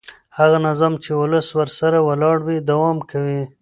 هغه نظام چې ولس ورسره ولاړ وي دوام کوي